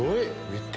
見て！